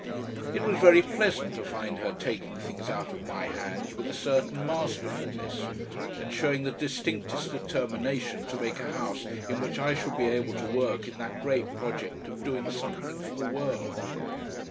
It was very pleasant to find her taking things out of my hands with a certain masterfulness, and showing the distinctest determination to make a house in which I should be able to work in that great project of "doing something for the world."